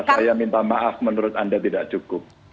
saya minta maaf menurut anda tidak cukup